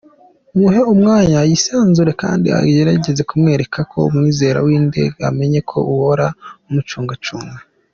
Muhe umwanya yisanzure kandi ugerageze kumwereka ko umwizera, wirinde ko amenya ko uhora umucungacunga.